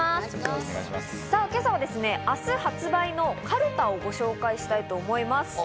今朝は明日発売のかるたをご紹介したいと思います。